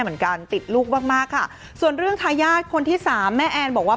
เหมือนกันติดลูกมากมากค่ะส่วนเรื่องทายาทคนที่สามแม่แอนบอกว่า